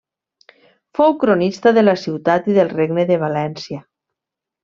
Fou cronista de la ciutat i del Regne de València.